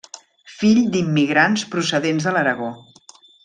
Fill d'immigrants procedents de l’Aragó.